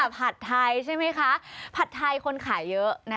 ผัดไทยใช่ไหมคะผัดไทยคนขายเยอะนะคะ